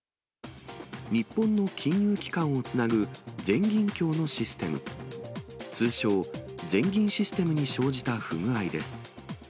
日本の金融機関をつなぐ全銀協のシステム、通称、全銀システムに生じた不具合です。